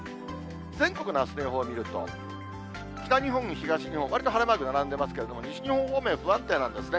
全国のあすの予報見ると、北日本、東日本、わりと晴れマーク並んでますけど、西日本方面、不安定なんですね。